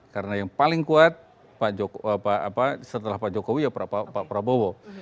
karena yang paling kuat setelah pak jokowi ya pak prabowo